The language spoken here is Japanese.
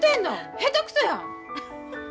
下手くそや！